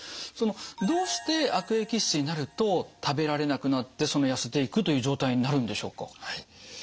そのどうして悪液質になると食べられなくなってそのやせていくという状態になるんでしょうか？